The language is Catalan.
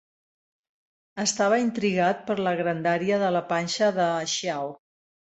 Estava intrigat per la grandària de la panxa de Xiao.